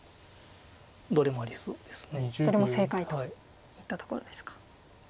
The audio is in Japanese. どれも正解といったところですか。